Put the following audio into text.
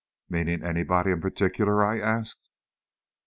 "Meaning anybody in particular?" I asked.